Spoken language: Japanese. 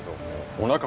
おなか